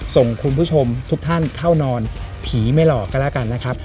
ส่งคุณผู้ชมทุกท่านเข้านอนผีไม่หลอกก็แล้วกันนะครับ